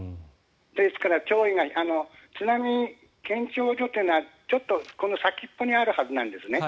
ですから、潮位が津波検潮所というのはちょっとこの先っぽにあるはずなんですね。